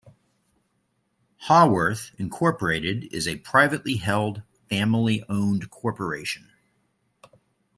Haworth, Incorporated is a privately held, family-owned corporation.